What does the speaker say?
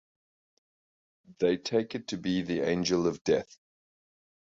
They take it to be the Angel of Death.